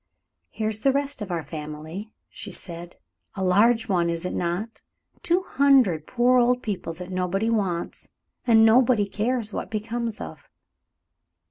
"Here is the rest of our family," she said. "A large one, is it not? Two hundred poor old people that nobody wants, and nobody cares what becomes of."